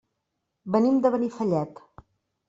Venim de Benifallet.